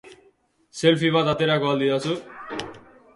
Selfie bat aterako al didazu?